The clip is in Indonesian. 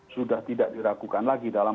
sudah tidak diragukan lagi dalam